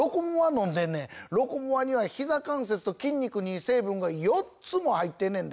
飲んでんねん「ロコモア」にはひざ関節と筋肉にいい成分が４つも入ってんねんで！